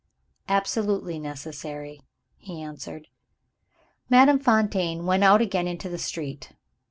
"Absolutely necessary," he answered. Madame Fontaine went out again into the street.